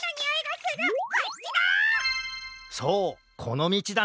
そうこのみちだね！